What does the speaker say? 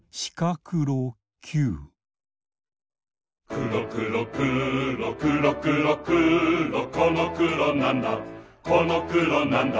くろくろくろくろくろくろこのくろなんだこのくろなんだ